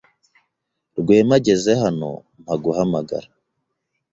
Rwema ageze hano, mpa guhamagara.